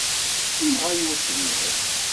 Inɣa-yi usemmiḍ.